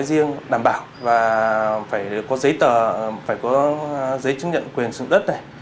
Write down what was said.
riêng đảm bảo và phải có giấy tờ phải có giấy chứng nhận quyền sử dụng đất này